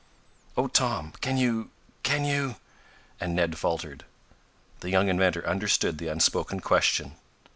"Oh, Tom, can you can you " and Ned faltered. The young inventor understood the unspoken question.